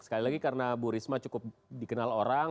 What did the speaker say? sekali lagi karena bu risma cukup dikenal orang